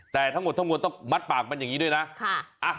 แต่ทั้งหมดทั้งมวลต้องมัดปากมันอย่างนี้ด้วยนะ